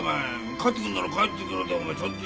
帰ってくんなら帰ってくるでお前ちゃんと言えよ。